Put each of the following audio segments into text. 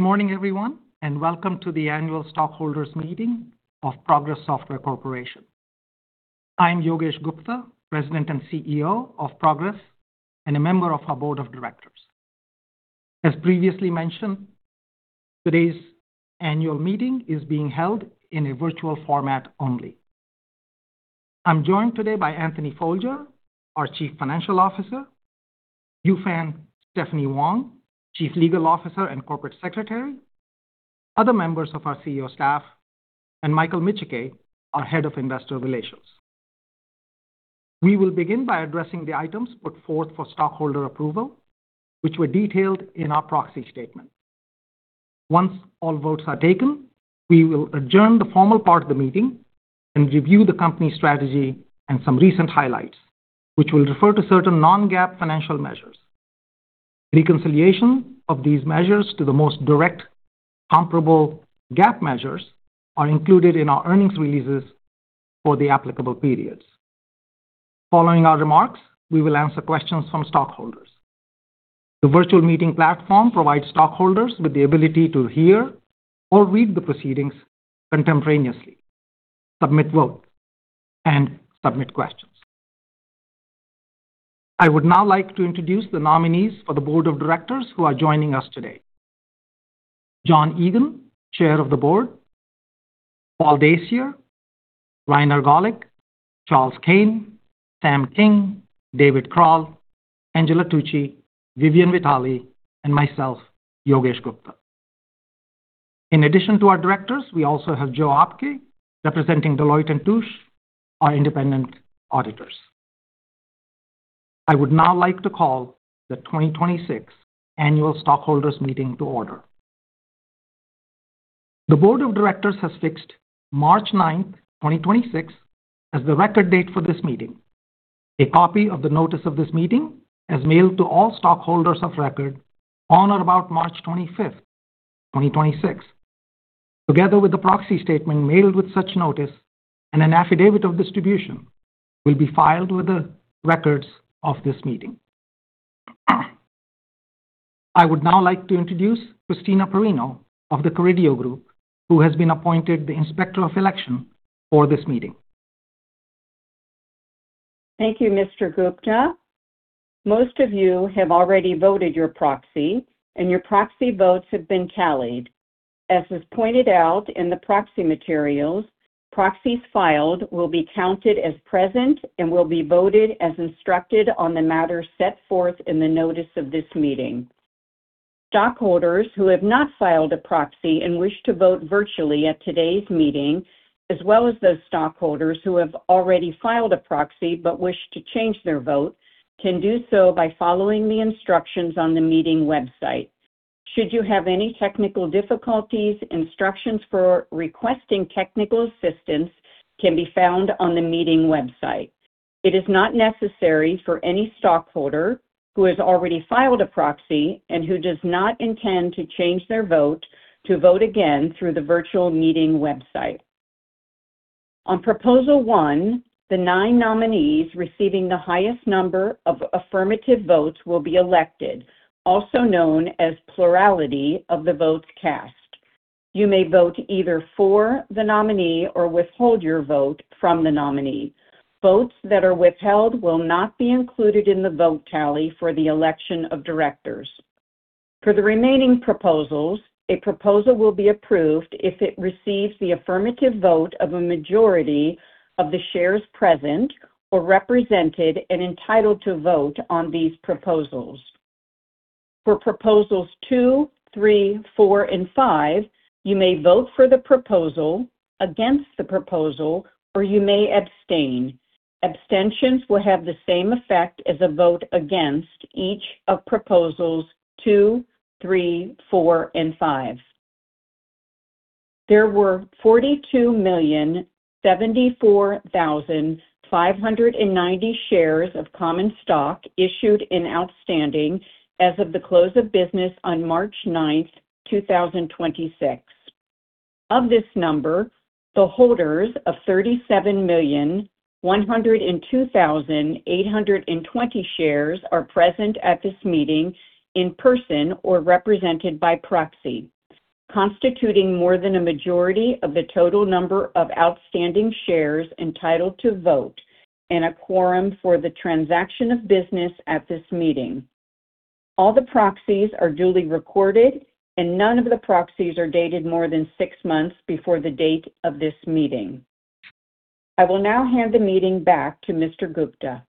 Morning everyone, welcome to the annual stockholders meeting of Progress Software Corporation. I'm Yogesh Gupta, President and CEO of Progress and a member of our Board of Directors. As previously mentioned, today's annual meeting is being held in a virtual format only. I'm joined today by Anthony Folger, our Chief Financial Officer, YuFan Stephanie Wang, Chief Legal Officer and Corporate Secretary, other members of our CEO staff, Michael Micciche, our Head of Investor Relations. We will begin by addressing the items put forth for stockholder approval, which were detailed in our proxy statement. Once all votes are taken, we will adjourn the formal part of the meeting and review the company strategy and some recent highlights, which will refer to certain non-GAAP financial measures. Reconciliation of these measures to the most direct comparable GAAP measures are included in our earnings releases for the applicable periods. Following our remarks, we will answer questions from stockholders. The virtual meeting platform provides stockholders with the ability to hear or read the proceedings contemporaneously, submit votes, and submit questions. I would now like to introduce the nominees for the Board of Directors who are joining us today. John Egan, Chair of the Board, Paul Dacier, Rainer Gawlick, Charles Kane, Sam King, David Krall, Angela Tucci, Vivian Vitale, and myself, Yogesh Gupta. In addition to our Directors, we also have Joe Apke representing Deloitte & Touche, our independent auditors. I would now like to call the 2026 Annual Stockholders Meeting to order. The Board of Directors has fixed March 9, 2026 as the record date for this meeting. A copy of the notice of this meeting is mailed to all stockholders of record on or about March 25, 2026. Together with the proxy statement mailed with such notice and an affidavit of distribution will be filed with the records of this meeting. I would now like to introduce Christina Perrino of The Carideo Group, Inc., who has been appointed the Inspector of Election for this meeting. Thank you, Mr. Gupta. Most of you have already voted your proxy, and your proxy votes have been tallied. As is pointed out in the proxy materials, proxies filed will be counted as present and will be voted as instructed on the matter set forth in the notice of this meeting. Stockholders who have not filed a proxy and wish to vote virtually at today's meeting, as well as those stockholders who have already filed a proxy but wish to change their vote, can do so by following the instructions on the meeting website. Should you have any technical difficulties, instructions for requesting technical assistance can be found on the meeting website. It is not necessary for any stockholder who has already filed a proxy and who does not intend to change their vote to vote again through the virtual meeting website. On proposal one, the nine nominees receiving the highest number of affirmative votes will be elected, also known as plurality of the votes cast. You may vote either for the nominee or withhold your vote from the nominee. Votes that are withheld will not be included in the vote tally for the election of directors. For the remaining proposals, a proposal will be approved if it receives the affirmative vote of a majority of the shares present or represented and entitled to vote on these proposals. For proposals two, three, four, and five, you may vote for the proposal, against the proposal, or you may abstain. Abstentions will have the same effect as a vote against each of proposals two, three, four, and five. There were 42,704,590 shares of common stock issued and outstanding as of the close of business on March 9, 2026. Of this number, the holders of 37,102,820 shares are present at this meeting in person or represented by proxy, constituting more than a majority of the total number of outstanding shares entitled to vote in a quorum for the transaction of business at this meeting. All the proxies are duly recorded. None of the proxies are dated more than six months before the date of this meeting. I will now hand the meeting back to Mr. Gupta.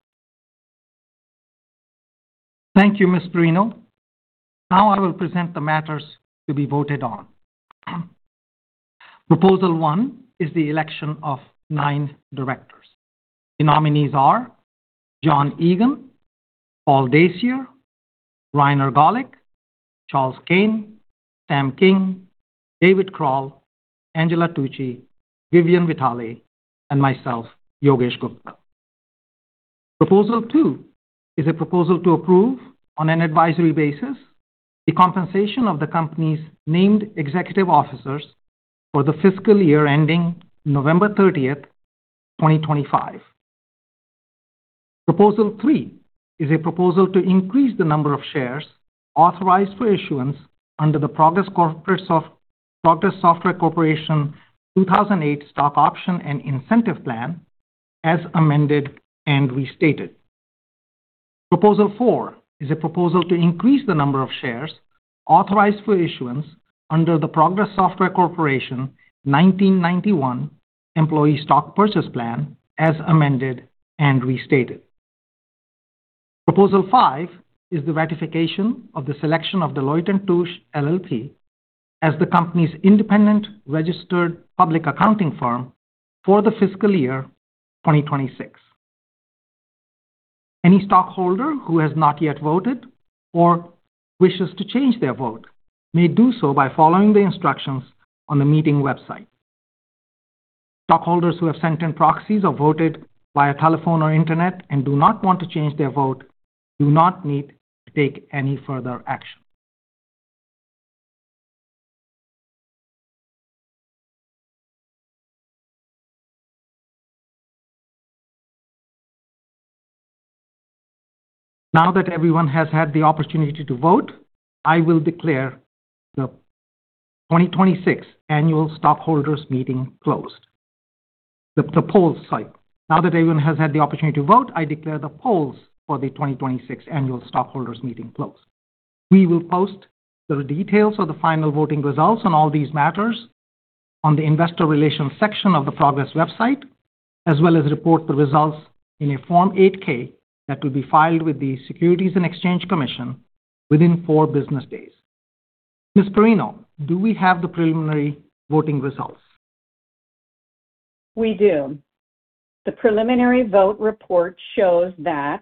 Thank you, Ms. Perrino. I will present the matters to be voted on. Proposal one is the election of nine directors. The nominees are John Egan, Paul Dacier, Rainer Gawlick, Charles Kane, Sam King, David Krall, Angela Tucci, Vivian Vitale, and myself, Yogesh Gupta. Proposal two is a proposal to approve, on an advisory basis, the compensation of the company's named executive officers for the fiscal year ending November 30th, 2025. Proposal three is a proposal to increase the number of shares authorized for issuance under the Progress Software Corporation 2008 Stock Option and Incentive Plan as amended and restated. Proposal three is a proposal to increase the number of shares authorized for issuance under the Progress Software Corporation 1991 Employee Stock Purchase Plan as amended and restated. Proposal five is the ratification of the selection of the Deloitte & Touche LLP as the company's independent registered public accounting firm for the fiscal year 2026. Any stockholder who has not yet voted or wishes to change their vote may do so by following the instructions on the meeting website. Stockholders who have sent in proxies or voted via telephone or internet and do not want to change their vote do not need to take any further action. Now that everyone has had the opportunity to vote, I will declare the 2026 annual stockholders meeting closed. Now that everyone has had the opportunity to vote, I declare the polls for the 2026 annual stockholders meeting closed. We will post the details of the final voting results on all these matters on the investor relations section of the Progress website, as well as report the results in a Form 8-K that will be filed with the Securities and Exchange Commission within four business days. Ms. Perrino, do we have the preliminary voting results? We do. The preliminary vote report shows that,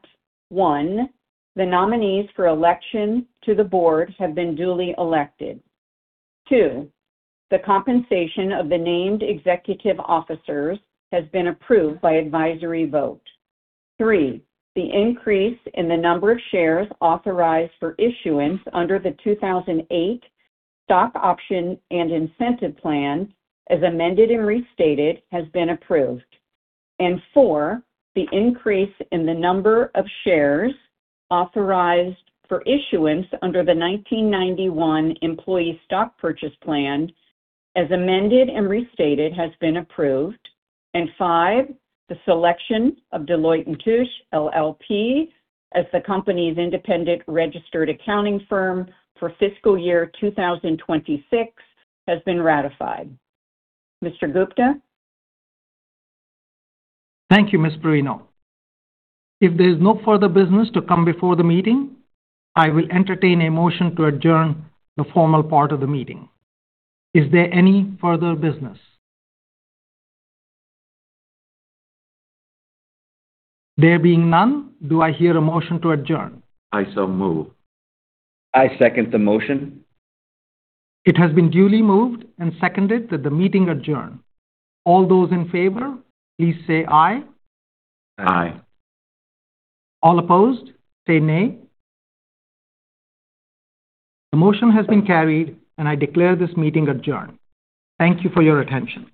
one, the nominees for election to the board have been duly elected. Two, the compensation of the named executive officers has been approved by advisory vote. Three, the increase in the number of shares authorized for issuance under the 2008 Stock Option and Incentive Plan, as amended and restated, has been approved. Four, the increase in the number of shares authorized for issuance under the 1991 Employee Stock Purchase Plan, as amended and restated, has been approved. Five, the selection of Deloitte & Touche LLP as the company's independent registered accounting firm for fiscal year 2026 has been ratified. Mr. Gupta. Thank you, Ms. Perrino. If there's no further business to come before the meeting, I will entertain a motion to adjourn the formal part of the meeting. Is there any further business? There being none, do I hear a motion to adjourn? I so move. I second the motion. It has been duly moved and seconded that the meeting adjourn. All those in favor, please say aye. Aye. Aye. All opposed, say nay. The motion has been carried, and I declare this meeting adjourned. Thank you for your attention.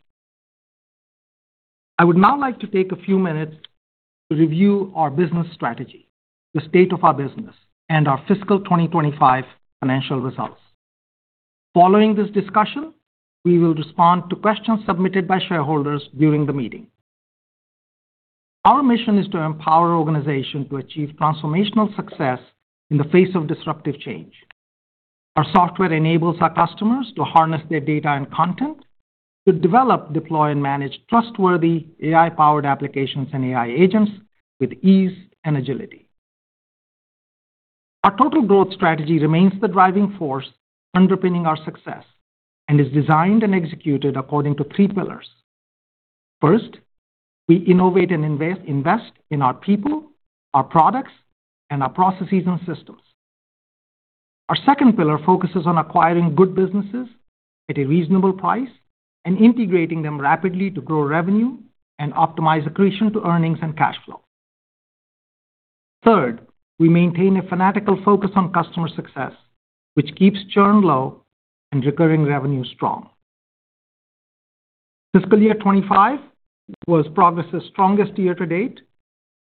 I would now like to take a few minutes to review our business strategy, the state of our business, and our fiscal 2025 financial results. Following this discussion, we will respond to questions submitted by shareholders during the meeting. Our mission is to empower organizations to achieve transformational success in the face of disruptive change. Our software enables our customers to harness their data and content to develop, deploy, and manage trustworthy AI-powered applications and AI agents with ease and agility. Our total growth strategy remains the driving force underpinning our success and is designed and executed according to three pillars. First, we innovate and invest in our people, our products, and our processes and systems. Our second pillar focuses on acquiring good businesses at a reasonable price and integrating them rapidly to grow revenue and optimize accretion to earnings and cash flow. Third, we maintain a fanatical focus on customer success, which keeps churn low and recurring revenue strong. Fiscal year 2025 was Progress's strongest year to date,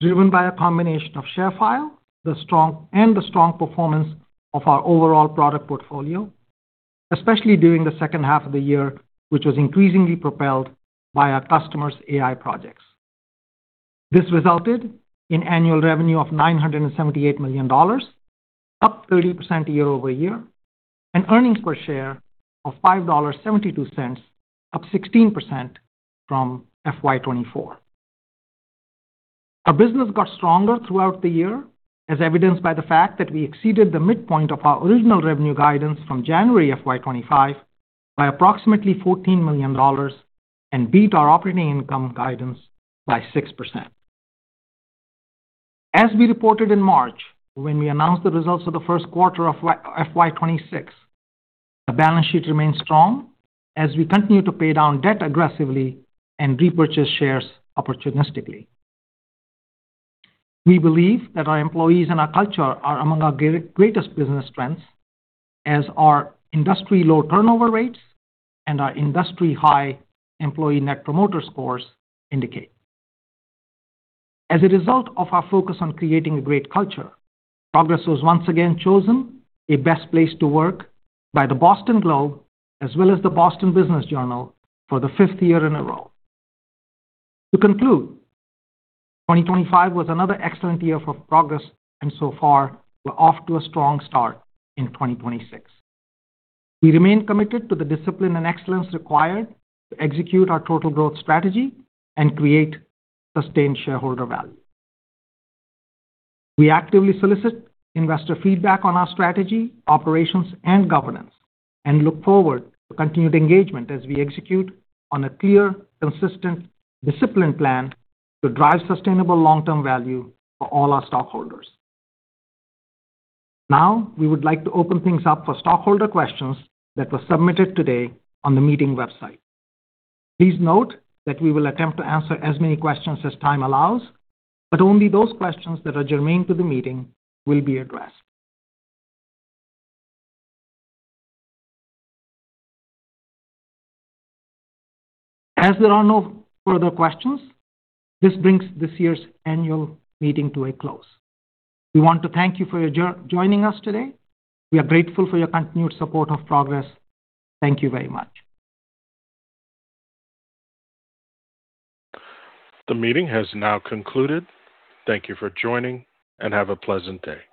driven by a combination of ShareFile and the strong performance of our overall product portfolio, especially during the second half of the year, which was increasingly propelled by our customers' AI projects. This resulted in annual revenue of $978 million, up 30% year-over-year, and earnings per share of $5.72, up 16% from FY 2024. Our business got stronger throughout the year, as evidenced by the fact that we exceeded the midpoint of our original revenue guidance from January FY 2025 by approximately $14 million and beat our operating income guidance by 6%. As we reported in March when we announced the results of the first quarter of FY 2026, the balance sheet remains strong as we continue to pay down debt aggressively and repurchase shares opportunistically. We believe that our employees and our culture are among our greatest business strengths, as our industry-low turnover rates and our industry-high employee net promoter scores indicate. As a result of our focus on creating a great culture, Progress was once again chosen a best place to work by The Boston Globe as well as the Boston Business Journal for the fifth year in a row. To conclude, 2025 was another excellent year for Progress, and so far, we're off to a strong start in 2026. We remain committed to the discipline and excellence required to execute our total growth strategy and create sustained shareholder value. We actively solicit investor feedback on our strategy, operations, and governance, and look forward to continued engagement as we execute on a clear, consistent, disciplined plan to drive sustainable long-term value for all our stockholders. Now, we would like to open things up for stockholder questions that were submitted today on the meeting website. Please note that we will attempt to answer as many questions as time allows, but only those questions that are germane to the meeting will be addressed. As there are no further questions, this brings this year's annual meeting to a close. We want to thank you for your joining us today. We are grateful for your continued support of Progress. Thank you very much. The meeting has now concluded. Thank you for joining, and have a pleasant day.